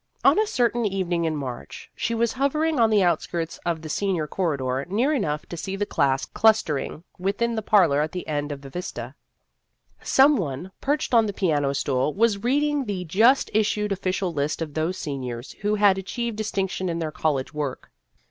On a certain evening in March, she was hovering on the outskirts of the senior corridor, near enough to see the class clustering within the parlor at the end of the vista. Some one, perched on the piano stool, was reading the just issued official list of those seniors who had achieved distinction in their college work.